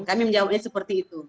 kami menjawabnya seperti itu